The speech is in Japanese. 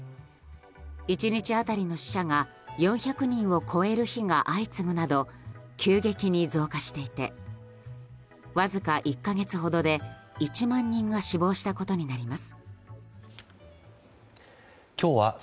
１日当たりの死者が４００人を超える日が相次ぐなど急激に増加していてわずか１か月ほどで、１万人が死亡したことになります。